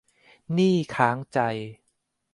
หนี้ค้างใจ